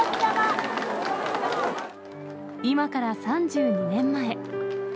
今から３２年前。